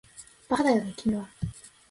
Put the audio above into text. バカだよね君は